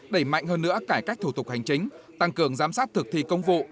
đẩy mạnh hơn nữa cải cách thủ tục hành chính tăng cường giám sát thực thi công vụ